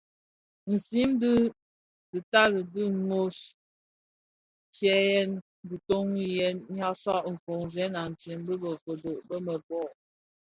Nsiň dhi ditani di nôs, ntseyèn diton nyi nʼyaksag tsōzèn atsee bë kodo bëmebög.